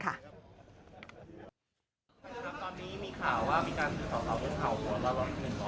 ครับตอนนี้มีข่าวว่ามีการถือสสงูเห่า